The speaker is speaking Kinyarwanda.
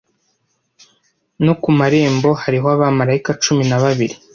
no ku marembo hariho abamarayika cumi na babiri,